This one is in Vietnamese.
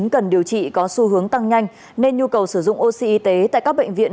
cần điều trị có xu hướng tăng nhanh nên nhu cầu sử dụng oxy y tế tại các bệnh viện